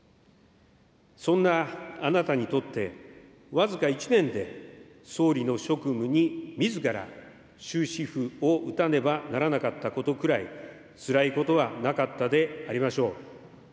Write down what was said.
そんなあなたにとって僅か１年で総理の職務にみずから終止符を打たねばならなかったことくらいつらいことはなかったでありましょう。